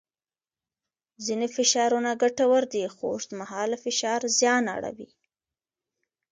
ځینې فشارونه ګټور دي خو اوږدمهاله فشار زیان اړوي.